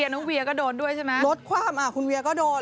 น้องเวียก็โดนด้วยใช่ไหมรถคว่ำคุณเวียก็โดน